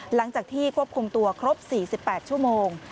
หลังจากที่ควบคุมตัวครบ๔๘ชั่วโมง